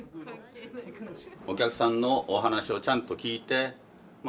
お客さんのお話をちゃんと聞いて。